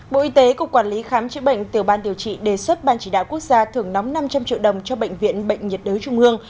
bộ y tế cục quản lý khám chữa bệnh tiểu ban điều trị đề xuất ban chỉ đạo quốc gia thưởng nóng năm trăm linh triệu đồng cho bệnh viện bệnh nhiệt đới trung ương